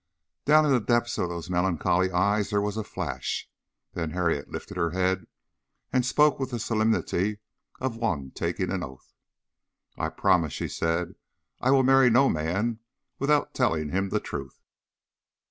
Down in the depths of those melancholy eyes there was a flash, then Harriet lifted her head and spoke with the solemnity of one taking an oath. "I promise," she said. "I will marry no man without telling him the truth."